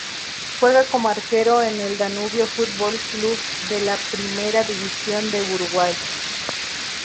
Juega como arquero en el Danubio Fútbol Club de la Primera División de Uruguay.